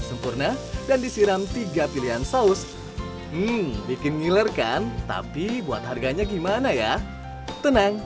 sempurna dan disiram tiga pilihan saus hmm bikin ngiler kan tapi buat harganya gimana ya tenang